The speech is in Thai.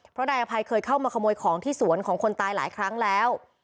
เพราะนายอภัยเคยเข้ามาขโมยของที่สวนของคนตายหลายครั้งแล้ว